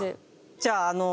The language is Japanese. じゃああの。